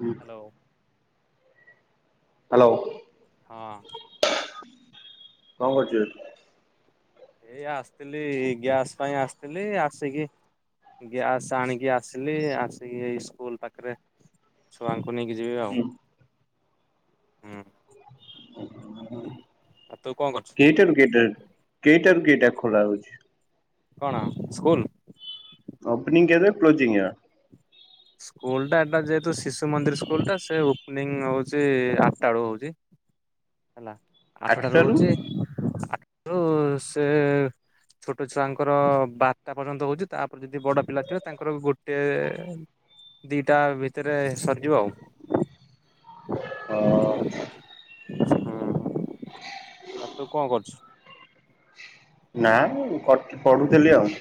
ହୁଁ hello. Hello. ହଁ। କଣ କରୁଛୁ? ଏଇ ଆସିଥିଲି ଗ୍ୟାସ ପାଇଁ ଆସିଥିଲି ଆସିକି ଗ୍ୟାସ ଆଣିକି ଆସିଲି ଆସିକି ଏଇ ସ୍କୁଲ ପାଖରେ ଛୁଆଙ୍କୁ ନେଇକି ଯିବି ଆଉ ହୁଁ [inaudible] ହୁଁ। ଆଉ ତୁ କଣ କରୁଛୁ କେଇଟାରୁ କେଇଟାରୁ କେଇଟାରୁ କେଇଟା ଖୋଲା ହଉଛି। କଣ ସ୍କୁଲ? ଅପନିଙ୍ଗ କେବେ ପୋଚିଙ୍ଗ ସ୍କୁଲ ଟା ଏଟା ଯେହେତୁ ଶିଶୁ ମନ୍ଦିର ସ୍କୁଲ ଟା ସେ ଓପନି ହଉଛି ଆଠଟା ବେଳୁ ହଉଛି। ହେଲା ଆଠଟା ଆଠଟାରୁ ରହୁଛି ଆଠ ସେ ଛୋଟ ଛୁଆଙ୍କର ବାରଟା ପର୍ଯ୍ୟନ୍ତ ହଉଛି ତାପରେ ଯଦି ବଡ ପିଲା ଥିବ ତାଙ୍କର ଗୋଟେ ଦିଟା ଭିତରେ ସରିଯିବ ଆଉ ହଁ। ହୁଁ। ଆ ତୁ କଣ କରୁଛୁ? ନାଇଁ ପଢୁଥିଲି ଆଉ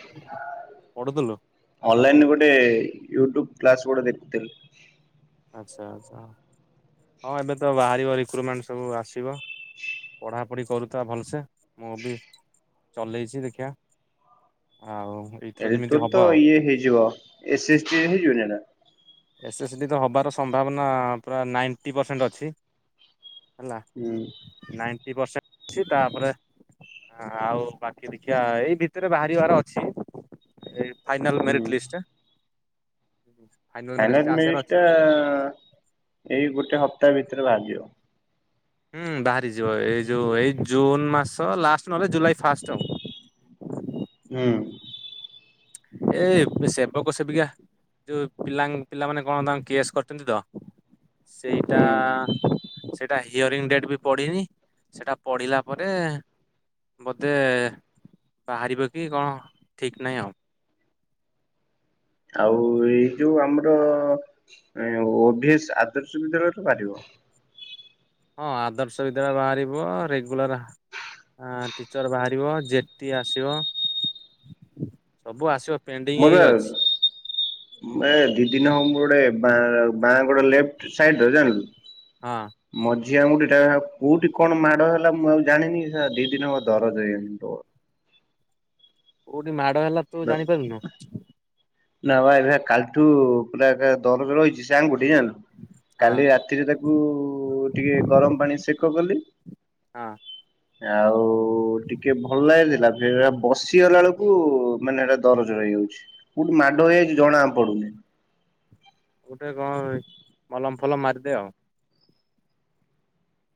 ପଢୁଥିଲୁ [inaudible] ଅନଲାଇନ ଗୋଟେ ୟୁଟ୍ୟୁବ କ୍ଲାସ ଗୋଟେ ଦେଖୁଥିଲି। ଆଚ୍ଛା ଆଛା। ହଁ ଏବେ ତ ବାହାରିବ ରି କ୍ରୁମେଣ୍ଟ ସବୁ ଆସିବ। ପଢ଼ାପଢ଼ି କରୁଥା ଭଲସେ ମୁଁ ବି ଚଲେଇଛି, ଦେଖିବା। ଆଉ ଏଇଥର ଏଲ ଯେମିତି ତୁର ହବ ତ ଆଉ ଇଏ ହେଇଯିବ ଏସେ ଷ୍ଟି ହେଇଯିବନା? ଏସ୍ ଏସ୍ ଡି ତ ହବାର ସମ୍ଭାବନା ପୁରା ନାଇଣ୍ଟି ପରସେଣ୍ଟ ଅଛି। ହେଲା ହୁଁ ନାଇ ବର୍ଷା ଅଛି ତାପରେ ଆଉ ବାକି ଦେଖିବା ଏଇ ଭିତରେ ବାହାରିବାର ଅଛି ଏ ଫାଇନାଲ୍ ହୁଁ ମେରିଟ୍ ଲିଷ୍ଟଟା। ଫାଇନା ଲିଷ୍ଟ ଟା ଏଇ ଗୋଟେ ହପ୍ତାହ ଭିତ ଏବେ ବାହାରି ଯିବ। ହୁଁ ବାହାରିଯିବ ଏଇ ଯୋଉ ଏଇ ଜୁନ ମାସ ଲାଷ୍ଟ ନହେଲେ ଜୁଲାଇ ଫାଷ୍ଟ ଆଉ ହଁ। ଏଇ ସେବକ ସେବିକା ଯୋଉ ପିଲା ପିଲାମାନେ କଣ ତାଙ୍କ କେସ୍ କରିଛନ୍ତି ତ ସେଇଟା ହୁଁ ସେ ସେଟା ହିଅରିଙ୍ଗ ଡେଟ୍ ବି ପଡ଼ିନି ସେଟା ପଢିଲା ପରେ ବୋଧେ ବାହାରିବ କି କଣ ଠିକ ନାହିଁ ଆଉ। ଆଉ ଏଇ ଯୋଉ ଆମର ଓଭିସ୍ ଆଦର୍ଶ ବିଦ୍ୟାଳୟରେ ପାରିବ। ହଁ ଆଦର୍ଶ ବିଦ୍ୟାଳୟ ବାହାରିବ ରେଗୁଲାର ଟିଚର ବାହାରିବ ଆଃ ଜେଟି ଆସିବ ସବୁ ଆସିବ। ପେନଣ୍ଡି ହେଇକି ମୋର ଅଛି। ଦି ଦିନ ହବର ମୋର ଗୋଟେ ବାଁ ବାଁ ଗୋଟ ଲେ୍ଟ ସାଇଡ ର ଜାଣିଲୁ। ହଁ। ଝିଅଙ୍କୁଠ କୋଉଠି କଣ ମାଡ ହେଲା ମୁଁ ଆଉ ଜାଣିନି ସେ ଦି ଦିନଙ୍କ ଦରଜ ହେଇ। [unintelligible] କଉଠି ମା ହେଲା ତୁ ଜାଣିପାରୁନୁ? ନା ବା ଏବେ କାଲିଠୁ ପୁରା ଏକ ଦରଜ ରହିଛି ସେ ଆଙ୍ଗୁଠି [unintelligible] ହଁ କାଲି ରାତିରେ ତାକୁ ଟିକେ ଗରମ ପାଣି ସେକ କଲି। ହଁ। ଆଉ ଟିକେ ଭଲ ହୋଇଥିଲା ଫ ବସିଗଲା ବେଳକୁ ମାନେ ଏଇଟା ଦରଜ ହେଇଯାଉଛି କୋଉଠି ମାଡ ହେଇଯାଇଛି ଜଣା ପଡୁନି। ଗୋଟେ କଣ ମଲମ ଫଲମ ମାରିଦେ ଆଉ।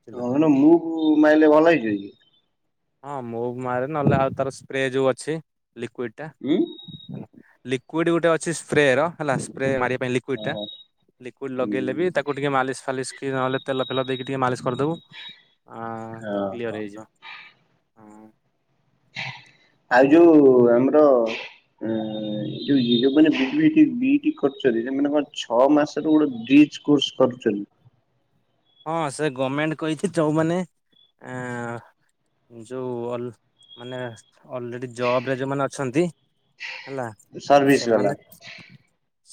ବୁଝିଲୁ [unintelligible] ମୁଁ କୁ ମାଇଲେ ଭଲ ହେଇ ଯିବ କି? ହଁ ମୁବ ମାରେ ନହେଲେ ଆଉ ତାର ସ୍ପ୍ରେ ଯୋଉ ଅଛି। ଲିିକ୍ୟୁଇଟା ଉଁ ଲିକ୍ୟୁଡ ଗୋଟେ ଅଛି ସ୍ପ୍ରେ ର ହେଲା ସ୍ପ୍ରେ ଲିଉଟି ଟା ଓହୋ ଲିଉଟି ହୁଁ ଲଗେଇଲେ ବି ତାକୁ ଟିକେ ମାଲିସ ଫାଲିସ ନହେଲେ ତେଲ ତେଲ ଦେଇକି ଟିକେ ମାଲିସ କରିଦବୁ ଆ ତ ହଁ ହଁ। କ୍ଲିୟର ହେଇଯିବ। ହଁ। ଆଉ ଯୋଉ ଆମର ଯୋଉ [unintelligible] ବିଏଡି କରୁଛନ୍ତି ସେମାନେ କଣ ଛଅ ମାସର ଗୋଟେ ବିଜ କୋସ କରଛନ୍ତି। ହଁ ସେ ଗମେଣ୍ଟ କହିଛି ଯୋଉମାନେ ଯୋଉ ମାନେ ଅଲରେଡି ଜବ ରେ ଯୋଉମାନେ ଅଛନ୍ତି। ହେଲା ଆ ସର୍ଭିସ ବାଲା ସେମାନେ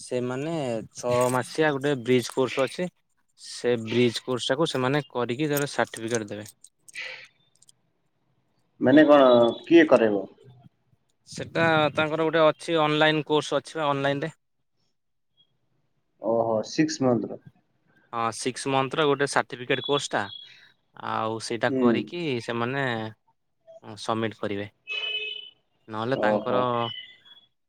ସେମାନେ ଛଅ ମାସିଆ ଗୋଟେ ବ୍ରିଜ କୋର୍ସ ଅଛି ସେ ବ୍ରିଜ କୋର୍ସଟାକୁ ସେମାନେ କରିକି ସାର୍ଟିଫିକେଟ ଦେବେ। ହୁଁ ମାନେ କଣ କିଏ କରାଇବ? ସେଟା ତାଙ୍କର ଗୋଟେ ଅଛି ଅନଲାଇନ କୋର୍ସ ଅଛି ବା ଅନଲାଇନରେ। ଓହୋ ସିକ୍ସ ମନ୍ଥ। ହଁ ସିକ୍ସ ମନ୍ଥର ଗୋଟେ ସାର୍ଟିଫିକେଟ କୋର୍ସ ଟା। ଆଉ ସେଇଟା ହୁଁ କରିକି ସେମାନେ ସମୀର। କରିବେ ନହେଲେ ଓହୋ ତାଙ୍କର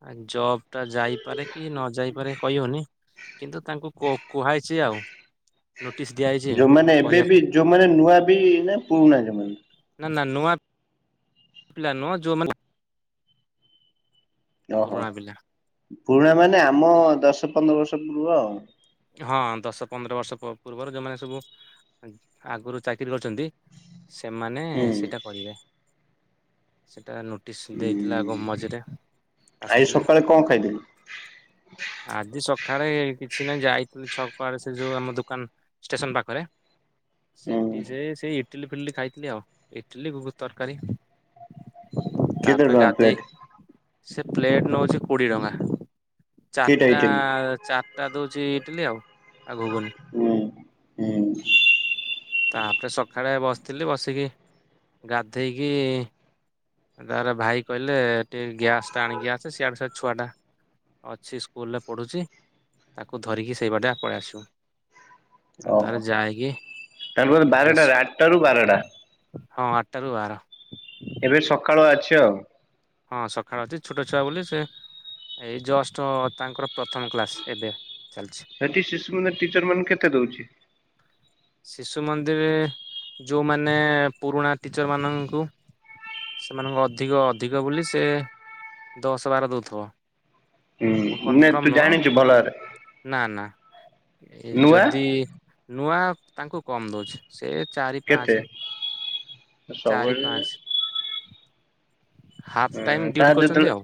ଆ ଜବ ଟା ଯାଇପାରେ କି ନ ଯାଇପାରେ କହିହଉନି କିନ୍ତୁ ତାଙ୍କୁ କୁ କୁହା ହେଇଚି ଆଉ। ନୋଟିସ୍ ଦିଆଯାଇଛି ଯୋଉମାନେ ଏବେ କରିବା ବି ପାଇଁ ଯୋଉମାନେ ନୂଆ ବି ନା ପୁରୁଣା ଯୋଉମାନେ ନା ନା ନୂଆ। ପିଲା ନୁହଁ ଯୋଉମାନେ। ଓହୋ ପୁରୁଣା ପିଲା। ପୁରୁଣା ମାନେ ଆମ ଦଶ ପନ୍ଦର ବର୍ଷ ପୂର୍ବ ଆଉ। ହଁ ଦଶ ପନ୍ଦର ବର୍ଷ ପୂର୍ବରୁ ଯୋଉମାନେ ସବୁ ଆଗରୁ ଚାକିରି କରି ଅଛନ୍ତି ସେମାନେ ହୁଁ ସେଇଟା କରିବେ। ସେଇଟା ନୋ ଦେଇଥିଲା ଗ ହୁଁ ମଝିରେ ଆଜି ଆସିଥିଲା ସକାଳେ କଣ ଖାଇଥିଲୁ ଆଜି ସକାଳେ କିଛି ନାହି ଯାଇ ଛକଆଡେ ସେ ଯୋଉ ଆମ ଦୋକାନ ଷ୍ଟେସନ ପାଖରେ। ସେଠି ହୁଁ ସେ ସେଇ ଇଟିଲି ଫିଡିଲି ଖାଇଥିଲି ଆଉ ଇଟିଲି ଘୁଗୁନି ତରକାରି। କେତେ [unintelligible] ପ୍ଲେଟ। ସେ ପ୍ଲେଟ୍ ନେଉଛି କୋଡିଏ ଟଙ୍କା। କି ଟା ଚାରିଟା ଆଇଟମ୍ ଚାରିଟା ଦ ଯେ ଇଟିଲି ଆଉ। ଆଗକୁ ଗଲି। ହୁଁ ହୁଁ। ତାପରେ ସକାଳେ ବସିଥିଲି ବସିକି ଗାଧେଇକି ତାର ଭାଇ କହିଲେ ଟିକେ ଗ୍ୟାସ୍ ଟା ଆଣିକିଆସେ ସାଡେ ସେ ଛୁଆଟା। ଅଛି ସ୍କୁଲରେ ପଢୁଛି ତାକୁ ଧରିକି ସେଇବାଟେ ପଳେଇ ଆସିବୁ। ମୁଁ ତାର ଓହୋ ଯାଇକି ତାର ବୋଧେ ଏବେ ବାରଟାରେ ଆଠଟା ରୁ ବାରଟା। ହଁ ଆଟାରୁ ବାର। ଏବେ ସକାଳୁ ଅଛି ଆଉ। ହଁ ସକାଳ ଅଛି ଛୋଟ ଛୁଆ ବୋଲି ସେ ଏଇ ଜଷ୍ଟ ତାଙ୍କର ପ୍ରଥମ କ୍ଲାସ ଏବେ। ଚାଲିଛି ସେଠି ଶିଶୁ ମନ୍ଦିର ଟିଚର ମାନଙ୍କୁ କେତେ ଦଉଚି। ଶିଶୁ ମନ୍ଦିରରେ ଯୋଉମାନେ ପୁରୁଣା ଟିଚର ମାନଙ୍କୁ ସେମାନଙ୍କୁ ଅଧିକ ଅଧିକ ବୋଲି ସେ ଦଶ ବାର ଦଉଥିବ। ହୁଁ ମୁଁ ନା ତୁ କନଫର୍ମ ନୁହଁ ଜାଣିଛୁ ଭଲ ଭାବରେ ନା ନା ନୂଆ ଯଦି ନୂଆ ତାଙ୍କୁ କମ ଦଉଜି ସେ ଚାରି କେତେ? ପାଞ୍ଚେ ସବୁବେଳେ ହାଫ୍ ହୁଁ ଟାଇମ ତା ଡ୍ୟୁଟି ଦେ ହଁ। କରୁଛନ୍ତି ଆଉ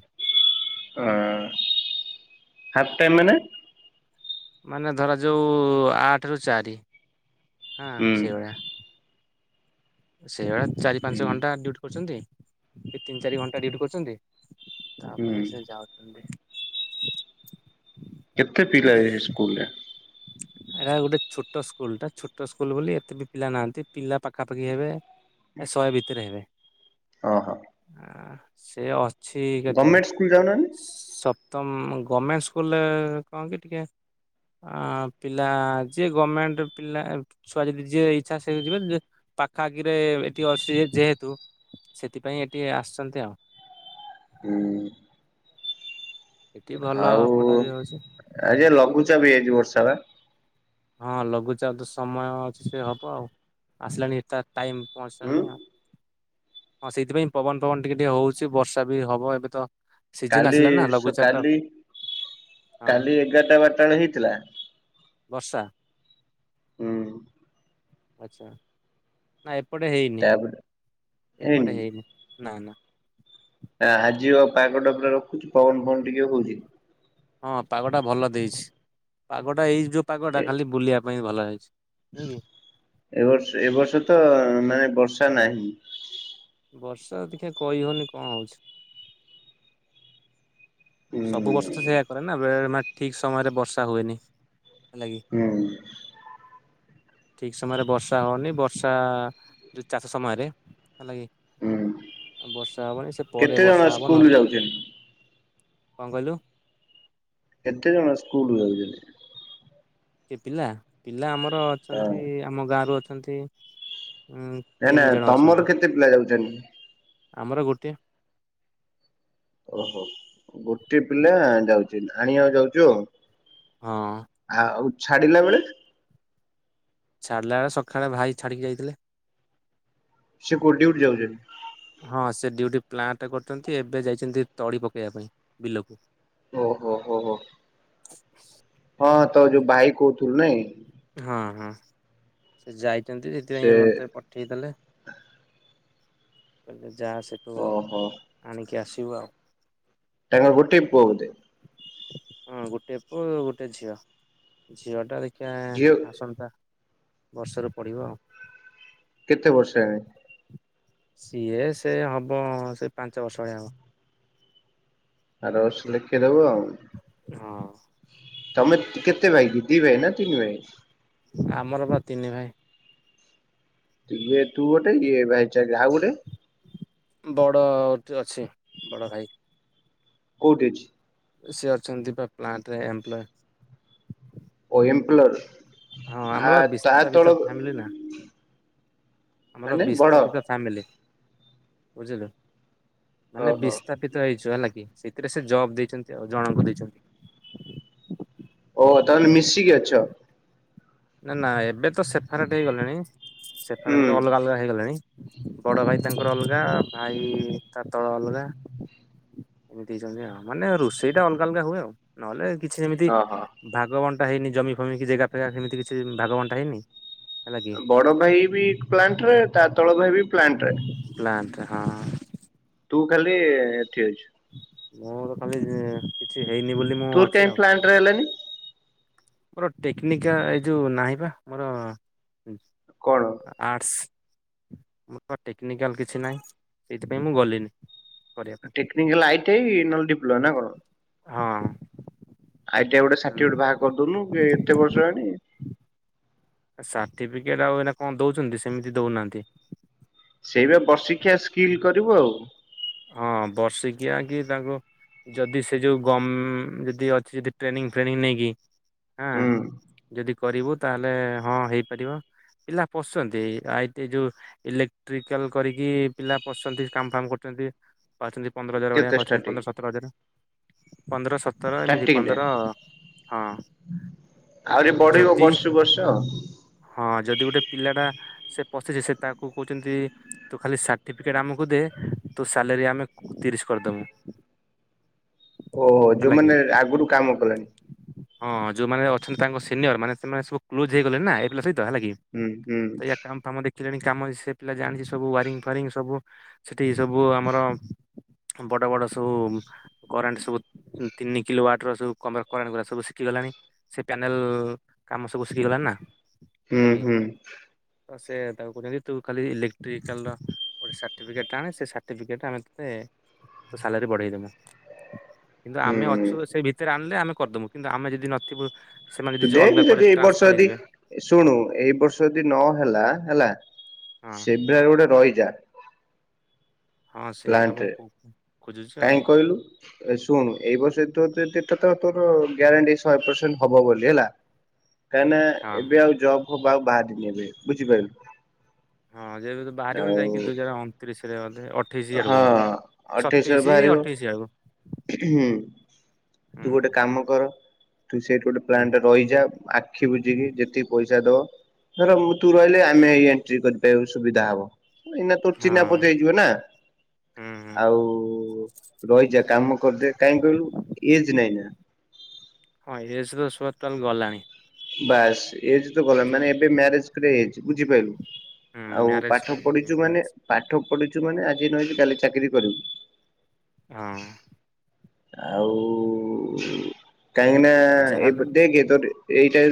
ହାଫ୍ ଟାଇମ୍ ମାନେ? ମାନେ ଧର ଯୋଉ ଆଠ ରୁ ଚାରି। ହଁ ହୁଁ ସେଇଭଳିଆ। [inaudible] ସେଇଭଳିଆ ଚାରି ହୁଁ ପାଞ୍ଚ ଘଣ୍ଟା ଡ୍ୟୁଟି କରୁଛନ୍ତି। ଏ ତିନି ଚାରି ଘଣ୍ଟା ଡୁଟି କରୁଚନ୍ତି। ତାପରେ ହୁଁ ସେ ଯାଉଚନ୍ତି। [inaudible] କେତେ ପିଲା ଯାଇ ସେ ସ୍କୁଲରେ? ଏଟା ଗୋଟେ ଛୋଟ ସ୍କୁଲ ଟା ଛୋଟ ସ୍କୁଲ ବୋଲି ଏତେ ବି ପିଲା ନାହାନ୍ତି ପିଲା ପାଖାପାଖି ପକି ଏବେ ଏ ଶହେ ଭିତରେ ହେବେ ଓହୋ। ଆଁ ସେ ଅ ଗମେଣ୍ଟ ସ୍କୁଲ ଯାଉନାହାଁନ୍ତି। ତମ ଗମେଣ୍ଟ ସ୍କୁଲରେ କଣ କି ଟିକେ ଆ ପିଲା ଯିଏ ଗମେଣ୍ଟ ପିଲା ଛୁଆ ଯଦି ଯିଏ ଇଚ୍ଛା ସେ ଯିବେ। ପାଖ ଆଖିରେ ଏଠି ଅଛି ଯେହେତୁ ସେଥିପାଇଁ ଏଠି ଆସିଛନ୍ତି ଆଉ। ହୁଁ। ଏଠି ଭଲ ଆଉ ପଢା ବି ହଉଛି ଆ ଯେ ଲଘୁଚାପ୍ ବି ହେଇଯାଇ ଥିବ। [unintelligible] ହଁ ଲଘୁଚାପ ତ ସମୟ ଅଛି ସେ ହବ ଆଉ ଆସିଲାଣି ଏ ତା ଟାଇମ୍। ହୁଁ। [unintelligible] ଆଉ। ହଁ ସେଇଥିପାଇଁ ପବନ ପବନ ଟିକେ ଟିକେ ହଉଛି ବର୍ଷା ବି ହବ ଏବେ ତ ସିଜିନ କାଲି ଆସିଲା ନା ଲଘୁଚାପ ଟା କାଲି ହଁ କାଲି ଏଗାରଟା ବାରଟା ହେଇଥିଲା। ବର୍ଷା। ହୁଁ। ଆଛା ନାଇଁ- ଏପଟେ ହେଇନି ତାପରେ ଏପଟେ ହେଇନି ନା ନା। ଆ ଆଜି ଆଉ ପାଗଟା ଉପରେ ରଖୁଛି ପବନ କଣ ଟିକେ ହଉଛି। ହଁ ପାଗଟା ଭଲ ଦେଇଛି ପାଗଟା ଏଇ ଯୋଉ ତାଟ କଟ ଖାଲି ବଲିଆ [unintelligible] ପାଇଁ ଭଲ ହେଇଛି। ନାଇଁ ଏବର୍ଷ ଏବ ବର୍ଷ ତ ମାନେ ବର୍ଷ। ତା ନାହିଁ। କି ବର୍ଷା ଅଧିକ କହିହଉନି କଣ ହଉଛି। ହୁଁ ସବୁ ବର୍ଷ ତ ସେଇୟା କରେ ନା। ବେଳେ ବେଳେ ମାନେ ଠିକ ସମୟରେ ବର୍ଷା ହୁଏନି। ହେଲା କି ହୁଁ। ଠିକ ସମୟରେ ବର୍ଷା ହଉନି ବର୍ଷା ଯୋଉ ଚାଷ ସମୟରେ ହେଲା କିି। ହୁଁ ବର୍ଷା ହବନି ସେ କେତେ ପରେ ଜଣ ବର୍ଷା ହବ ସ୍କୁଲ ନହେଲେ। ଯାଉଛନ୍ତି? କଣ କହିଲୁ। କେତେ ଜଣ ସ୍କୁଲ ଯାଉଛନ୍ତି। କିଏ ପିଲା ପିଲା ଆମର। ହଁ ଅଛନ୍ତି ଆମ ଗାଁ ରୁ ଅ। ଅଛନ୍ତି। ଉଁ ନା ନା ତିନି ଜଣ ଅଛନ୍ତି ତମର କେତେ ପିଲା ଯାଉଛନ୍ତି। ଆମର ଗୋଟିଏ। ଓହୋ ଗୋଟେ ପିଲା ଯାଉଛି। ଆଣିବାକୁ ଯାଉଛୁ ଆଉ। ଆଉ ହଁ। ଛାଡିଲା ବେଳେ। ଛାଡିଲା ବେଳେ ସକାଳେ ଭାଇ ଛାଡିକି ଯାଇଥିଲେ। ସେ କୋଉଠି ଡ୍ୟୁଟି ଯାଉଛି। ହଁ ସେ ଡ୍ୟୁଟି ପ୍ଲାଣ୍ଟ କରୁଛନ୍ତି ଏବେ ଯାଇଛନ୍ତି ତଳି ପକେଇବା ପାଇଁ ବିଲକୁ। ଓୁ ହୋ ହଉ ହଉ। [unintelligible] ହଁ ତ ଯୋଉ ଭାଇ କହୁଥିଲୁ ନାଇଁ। ହଁ ହଁ। ସେ ଯାଇ। ଛନ୍ତି ସେ ସେଥିପାଇଁଁ ମତେ ପଠେଇ ଦେଲେ। [inaudible] ଯାହା ସେଠୁ ଓହୋ ଆଣିି କି ଆସିବୁ ଆଉ। ତାଙ୍କ ଗୋଟେ ପୁଅ ବୋଧେ? ହଁ ଗୋଟେ ପୁଅ ଗୋଟେ ଝିଅ ଝିଅ ଟା ଦେଖ ଝିଅ ଆ ଆସନ୍ତା ବର୍ଷ ରୁ ପଡ଼ିବ ଆଉ। କେତେ ବର୍ଷ ହେଲାଣି? ସିଏ ସେ ହବ ସେଇ ପାଞ୍ଚ ବର୍ଷ ଭଳିଆ ହବ। ଆର ବର୍ଷ କୁ ଲେଖିଦବ ଆଉ। ହଁ। ତମେ କେତେ ଭାଇକ ଦି ଭାଇ ନା ତିନି ଭାଇ? ଆମର ବା ତିନି ଭାଇ। ଇଏ ତୁ ଗୋଟେ ଇଏ ଭାଇ ଚାରି ଆଇ ଗୋଟେ? ବଡ ଅଛି ବଡ ଭାଇ। କୋଉଠି ଅଛି? ସେ ଅଛନ୍ତି ପା ପ୍ଲାଣ୍ଟ ରେ ଏମ୍ପଲୋଇ। ଓ ଏମ୍ପଲୋର। ହଁ ଆମର ବିସ୍ତ ବିତ ଫ୍ୟାମିଲି ନା। ଆମର ମାନେ ବଡ ବିସ୍ଥାପିତ ଫ୍ୟାମିଲି। ବୁଝିଲୁ। ମାନେ ଓହୋ। ବିସ୍ଥାପିତ ହେଇଛୁ ହେଲା କି। ସେଇଥିରେ ସେ ଜବ୍ ଦେଇଛନ୍ତି ଆଉ ଜଣଙ୍କୁ ଦେଇଛନ୍ତି। ଓ ତାହେଲେ ମିଶିକି ଅଛ। ନା ନା ଏବେ ତ ସେପାରେଟ୍ ହେଇଗଲେଣି। ସେ ଫାଳେ ହୁଁ ଅଲଗା ଅଲଗା ହେଇଗଲେଣି ବଡ ଭାଇ ତାଙ୍କର ଅଲଗା ଭାଇ ତା ତଳ ଅଲଗା ଏମିତି ହେଇଛନ୍ତି ଆଉ ମାନେ ରୋଷେଇ ଟା ଅଲଗା ଅଲଗା ହୁଏ ଆଉ ନହେଲେ କିଛି ଯେମିତି ଓହୋ। ଭାଗବନ ହେଇନି ଜମି ଫାମୀ ଜାଗା ଫାଗା ସେମତି କିଛି ଭାଗବନଟା ହେଇନି ହେଲା କି ବଡ ଭାଇ ବି ପ୍ଲାଣ୍ଟରେ ତା ତଳ ଭାଇ ବି ପ୍ଲାଣ୍ଟରେ। ପ୍ଲାଣ୍ଟ ହଁ ତୁ ଖାଲି ଠିକ ଅଛି। ମୋର ତ ଖାଲି କିଛି ହେଇନି ବୋଲି ମୁଁ ତୁର୍ ଅଛି କାଇଁ ଏ ଆଉ। ପ୍ଲାଣ୍ଟରେ ହେଲାନି? ମୋର ଟେକ୍ନିକା ଏଇ ଯୋଉ ନାହିଁ ବା ମୋର କଣ? ଆର୍ସ ମୁଁ ତ ଟେକ୍ନିକାଲ କିଛି ନାହିଁ ସେଇଥିପାଇଁ ମୁଁ ଗଲିନି। କରିବା ପାଇଁ ଟେକ୍ନିକାଲ ଆଇ ଟି ଆଇ ନହେଲେ ଡିପ୍ଲୋମା ନା କଣ? ହଁ। ଆଇ ଟି ଆଇ ଗୋଟେ ସାର୍ଟିଫିକେଟ ବାହାର କରିଦୋଉନୁ କି ଏତେ ବର୍ଷ ହେଲାଣି। ସାର୍ଟିଫିକେଟ ଆଉ ଏଇନା କଣ ଦୋଉଚନ୍ତି। ସେମିତି ଦୋଉନାହାନ୍ତି। ସେଇବା ବର୍ଷିକିଆ ସ୍କିଲ୍ କରିବୁ ଆଉ। ହଁ ବର୍ଷିକିଆ କି ତାଙ୍କୁ ଯଦି ସେ ଯୋଉ ଗ ଯଦି ଅଛି ଯଦି ଟ୍ରେନିଂ ଫ୍ରେନିଂ ନେଇକି। ହଁ ହୁଁ ଯଦି କରିବୁ ତାହେଲେ ହଁ ହେଇପାରିବ। ପିଲା ପଶୁଛନ୍ତି ଆଇଟି ଏ ଯୋଉଁ ଇଲେକ୍ଟ୍ରିକାଲ୍ କରିକି ପିଲା ପଶୁଛନ୍ତି। କାମ ଫାମ କରୁଛନ୍ତି। ପାଉଛନ୍ତି। ପନ୍ଦର ହଜାର ଭଳିଆ କେତେ ପାଉଛନ୍ତି, ଷ୍ଟାର୍ଟିଂ ପନ୍ଦର ସତର ହଜାର ପନ୍ଦରଶ ତମ ପାଖରୁ ନେଇଚି ଷ୍ଟାର୍ଟିଂ ଟା ପନ୍ଦର ହଁ ଆହୁରି ବଢିବ ଯଦି ବର୍ଷକୁ ବର୍ଷ ଆଉ। ହଁ ଯଦି ଗୋଟେ ପିଲାଟା ସେ ପଶିଛି ସେ ତାକୁ କହୁଛନ୍ତି ତୁ ଖାଲି ସାର୍ଟିଫିକେଟ ଆମକୁ ଦେ ତୋ ସାଲେରୀ ଆମେ ତିରିଶ କରିଦେବୁ। ଓହୋ, ଯୋଉମାନେ ଆଗରୁ କାମ କଲେଣି? ହଁ ଯୋଉମାନେ ଅଛନ୍ତି ତାଙ୍କ ସିନିୟର ମାନେମାନେ ସବୁ କ୍ଲୋଜ ହେଇଗଲେ ନା ଏ ପିଲା ସ ତ ହେଲା କି ହୁଁ ହୁଁ ତ ୟା କାମ ଫାମ ଦେ କାମ ସେ ପିଲା ଜାଣିଛି ସବୁ ୱାରିଙ୍ଗ ଫାରିଙ୍ଗ ସବୁ ସେଠି ସବୁ ଆମର ବଡ଼ ବଡ଼ ସବୁ କରେଣ୍ଟ ସବୁ ତିନି କିଲୋ ୱାଟର ସବୁ କରେଣ୍ଟ ଗୁରା ସବୁ ଶିଖିଗଲାଣି ସେ ପ୍ୟାନେଲ କାମ ସବୁ ଶିଖିଗଲାଣି ନା। ହୁଁ ହେଲା କି ହୁଁ। ସେ ତାକୁ [unintelligible] ତୁ ଖାଲି ଇଲେକ୍ଟ୍ରିକାଲ ର ଗୋଟେ ସାର୍ଟିଫିକେଟ୍ ଆଣେ ସେ ସାର୍ଟିଫିକେଟ ଆମେ ତତେ ସାଲାରୀ ବଢ଼େଇ ଦେବା। କିନ୍ତୁ ଆମେ ହୁଁ। ଅଛୁ ସେଇ ଭିତରେ ଆଣିଲେ, ଆମେ କରିଦବୁ କିନ୍ତୁ ଆମେ ଯଦି ନଥିବୁ ସେମାନେ ତୁ ଦେଖେ, ଅଲଗା କୁଆଡେ ଯଦି ଏଇ ଟ୍ରାନ୍ସଫର ବର୍ଷ ଯଦି ହେଇଯିବେ ଶୁଣୁ, ଏଇ ବର୍ଷ ଯଦି ନହଲା, ହେଲା ହଁ [unintelligible] ଗୋଟେ ରହିଯା। ହଁ ସେଇଆ ଫ୍ଲାଟରେ, ମୁଁ କହୁ ଖୋଜୁଛି ଆଉ କାହିଁ କହିଲୁ ଶୁଣୁ ଏଇ ବର୍ଷ [unintelligible] ତ ତୋର ଗ୍ୟାରଣ୍ଟି ଶହେ ପରସେଣ୍ଟ ହବ ବୋଲି ହେଲା। କାହିଁକି ହଁ ନାଁ ଏବେ ଆଉ ଜବ ହ ବା, ଆଉ [unintelligible] ଏବେ ବୁଝିପାରିଲୁ? ହଁ, ଯେବେ ତୁ ବାହାରିବୁନି, ଆଉ ଯାଇଁକି ଦୁଇ ହଜ ଅଣତିରିଶ। [unintelligible] ଅଠେଇଶି ୟାଡେକୁ ହଁ ବାହାରିବୁ ସତେଇଶି ଅଠେଇଶି ଆଡକୁ ହୁଁ ହୁଁ ତୁ ଗୋଟେ କାମ କର ତୁ ସେଇଠୁ ଗୋଟେ ହୁଁ ପ୍ଲାଣ୍ଟ ରହିଯା ଆଖି ବୁଝିକି ଯେତିକି ପଇସା ଦବ ଧର ମୁଁ ତୁ ରହିଲେ ଆମେ ଏଣ୍ଟ୍ରି କରିବାକୁ ସୁବିଧା ହବ। ଏଇନା ତୋର ହଁ ଚିହନା [unintelligible] ହେଯିବ ନା ହୁଁ ହୁଁ। ଆଉ ରହିଜା କାମ କରିଦେ କାହିଁ କହିଲୁ ଏଜ ନାଇଁ ନାଁ? ତୋର ତାହେଲେ ଗଲାଣି। ବାସ୍ ଏଜ ତ [unintelligible] ମାନେ ଏବେ ମ୍ୟାରେଜ [unintelligible] ଏଜ ବୁଝିପାରଲୁ ହୁଁ ଆଉ ମ୍ୟାରେଜ ପାଠ ପାଇଁ ପଢିଛୁ ମାନେ ଏଜ୍। ପାଠ ପଢ ଯଉମାନେ ଆଜି ନହେଲେ କାଲି ଚାକିରି କରିବୁ। ହଁ। ଆଉ। କାହିଁକି ନା ଏ ଯାହାହେଲେ ଦେଖେ ତୋ ଏଇଟା